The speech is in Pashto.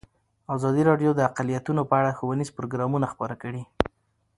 ازادي راډیو د اقلیتونه په اړه ښوونیز پروګرامونه خپاره کړي.